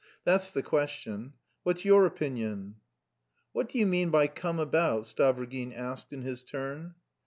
That's the question. What's your opinion?" "What do you mean by 'come about'?" Stavrogin asked in his turn.